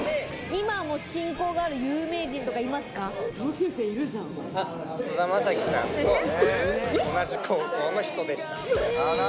今も親交がある有名人とかい菅田将暉さんと同じ高校の人でした。